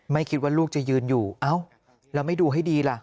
ไม่คิดว่าลูกจะยืนอยู่เอ้าแล้วไม่ดูให้ดีล่ะ